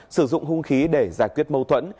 sử dụng hung khí để giải quyết mâu thuẫn